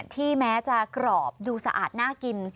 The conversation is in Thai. แม้จะกรอบดูสะอาดน่ากิน